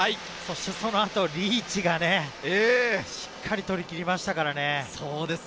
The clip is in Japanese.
そのあとリーチがね、しっかり取り切りましたからね。